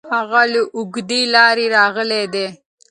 هغه له اوږدې لارې راغلی دی.